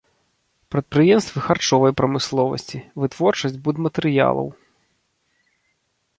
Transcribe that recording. Прадпрыемствы харчовай прамысловасці, вытворчасць будматэрыялаў.